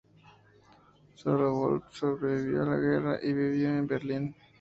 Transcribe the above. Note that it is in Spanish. Sólo Wolf sobrevivió a la guerra y vivió en Berlín.